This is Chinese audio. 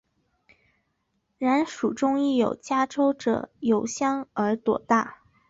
然蜀中亦为嘉州者有香而朵大。